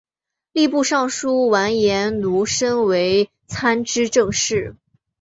吏部尚书完颜奴申为参知政事。